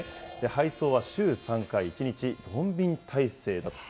配送は週３回、１日４便体制だと。